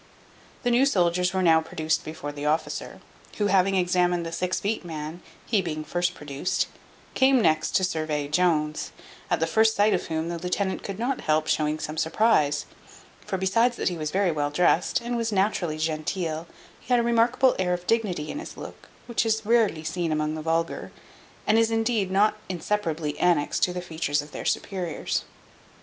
The new soldiers were now produced before the officer, who having examined the six feet man, he being first produced, came next to survey Jones: at the first sight of whom, the lieutenant could not help showing some surprize; for besides that he was very well dressed, and was naturally genteel, he had a remarkable air of dignity in his look, which is rarely seen among the vulgar, and is indeed not inseparably annexed to the features of their superiors.